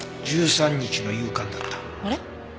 あれ？